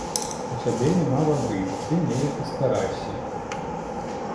У цябе няма вады, ты неяк і старайся.